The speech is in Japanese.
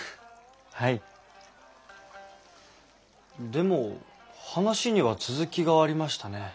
でも話には続きがありましたね。